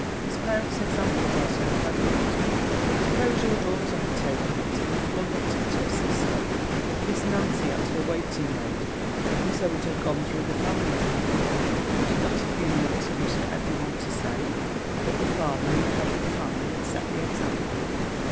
As parents' examples are so prevalent, suppose your daughter had taken it, and flung it at her sister; Miss Nancy at her waiting maid; and so it had gone through the family; would it not have been an excuse for every one to say, that the father, and head of the family had set the example?